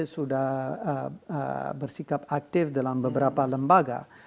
sudah bersikap aktif dalam beberapa lembaga